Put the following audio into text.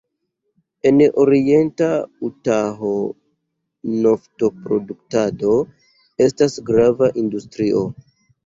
En orienta Utaho-naftoproduktado estas grava industrio.